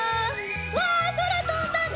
わそらとんだね！